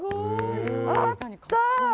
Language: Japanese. あった！